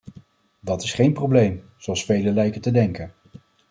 Dat is geen probleem, zoals velen lijken te denken.